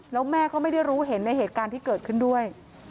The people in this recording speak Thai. แล้วแม่ก็ไม่ได้รู้เห็นในเหตุการณ์ที่เกิดขึ้นด้วย